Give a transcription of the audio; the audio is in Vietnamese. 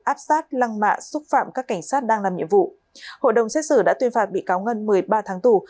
áp sát lăng mạ xúc phạm các cảnh sát đang làm nhiệm vụ hội đồng xét xử đã tuyên phạt bị cáo ngân một mươi ba tháng tù